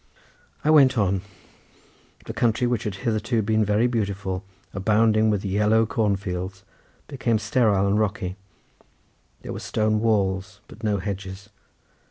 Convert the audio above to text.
I went on. The country which had hitherto been very beautiful, abounding with yellow corn fields, became sterile and rocky; there were stone walls, but no hedges.